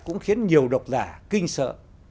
cũng khiến nhiều độc giả kinh sợ